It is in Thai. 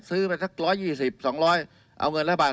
ซื้อไปสัก๑๒๐๒๐๐เอาเงินแล้วไป